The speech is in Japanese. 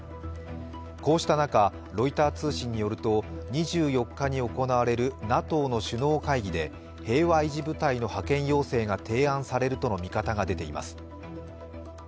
こうした中、ロイター通信によると２４日に行われるＮＡＴＯの首脳会議で、平和維持部隊の派遣要請が提案されるとの見方が出ています。